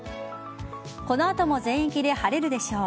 この後も全域で晴れるでしょう。